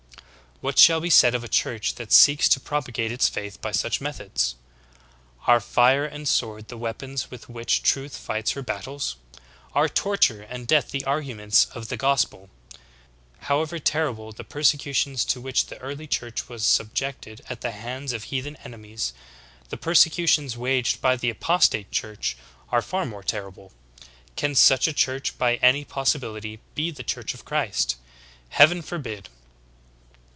"'^ 14. What shall be said of a Church that seeks to propa gate its faith by such methods? Are fire and sword the weapons with which truth fights her battles? Are torture and death the arguments of the gospel? However terrible the persecutions to which the early Church was subjected at the hands of heathen enemies, the persecutions waged by <: Myers, "Gen. Hist.," p. 500. <^ Myers, "Gen. Hist.," p. 527. iS6 THE GREAT APOSTASY. the apostate church are far more terrible. Can such a church by any possibiHty be the Church of Christ ? Heaven forbid